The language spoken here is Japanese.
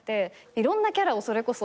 いろんなキャラをそれこそ。